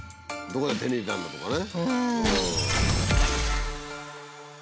「どこで手に入れたんだ？」とかね。